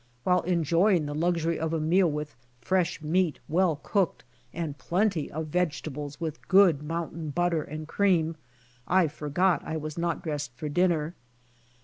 While enjoying the luxury of a meal with fresh meat well cooked, and plenty of vegetables with good mountain butter and cream, I forgot T was not dressed for dinner.